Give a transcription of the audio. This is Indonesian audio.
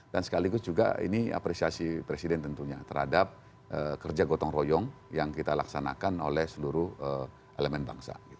dan sekaligus juga ini apresiasi presiden tentunya terhadap kerja gotong royong yang kita laksanakan oleh seluruh elemen bangsa